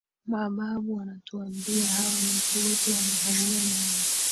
Mababu wanatuambia hawa watu wote wamehamia Mara